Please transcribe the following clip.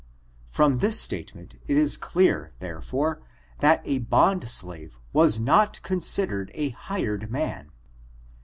From this statement it is clear, therefore, that a bond slave was not considered as a hired man.